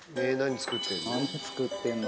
何作ってんの？